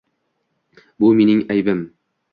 Bu mening aybim.